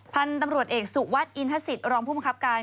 พันธุ์ตำรวจเอกสุวัสดิอินทศิษย์รองผู้มังคับการ